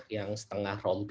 yang setengah rompi